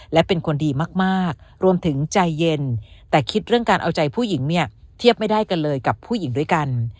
และเป็นคนดีมากรวมถึงใจเย็นแต่คิดเรื่องการเอาใจผู้หญิงเนี่ยเทียบไม่ได้กันเลยกับผู้หญิงด้วยกัน